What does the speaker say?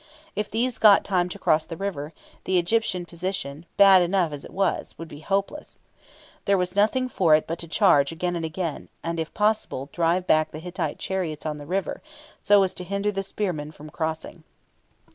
If these got time to cross the river, the Egyptian position, bad enough as it was, would be hopeless. There was nothing for it but to charge again and again, and, if possible, drive back the Hittite chariots on the river, so as to hinder the spearmen from crossing.